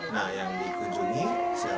nah yang dikunjungi siapa saja